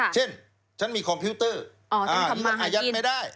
เช่นฉันมีคอมพิวเตอร์ยึดอายัตไม่ได้